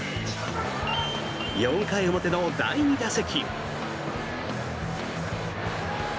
４回表の第２打席。